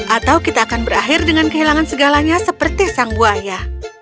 atau kita akan berakhir dengan kehilangan segalanya seperti sang buaya